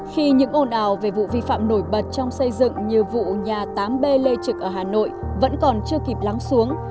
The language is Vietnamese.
khi những ồn ào về vụ vi phạm nổi bật trong xây dựng như vụ nhà tám b lê trực ở hà nội vẫn còn chưa kịp lắng xuống